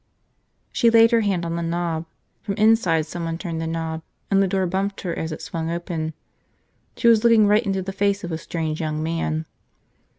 She laid her hand on the knob. From inside someone turned the knob and the door bumped her as it swung open. She was looking right into the face of a strange young man.